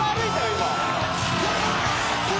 今。